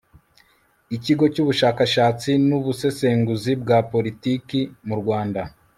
ikigo cy'ubushakashatsi n'ubusesenguzi bwa politiki mu rwanda